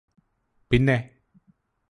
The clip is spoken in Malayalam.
പിന്നെ